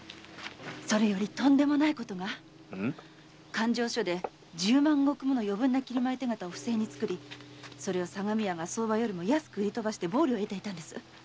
勘定所で十万石もの余分な切米手形を不正に作りそれを相模屋が相場より安く売り飛ばし暴利を得ていたのです。